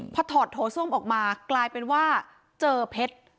พอถอดโถส้มออกมากลายเป็นว่าเจอเพชร